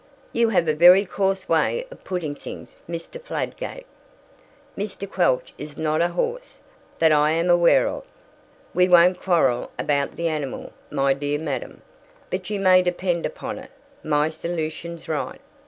"You have a very coarse way of putting things, Mr. Fladgate. Mr. Quelch is not a horse, that I am aware of." "We won't quarrel about the animal, my dear madam, but you may depend upon it, my solution's right.